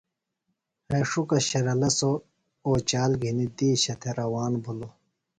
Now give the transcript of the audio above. ہینݜُکہ شرلہ سوۡ اوچال گِھنیۡ دِیشہ تھےۡ روان بِھلوۡ۔